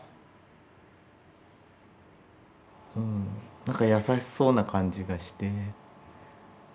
なんか優しそうな感じがして。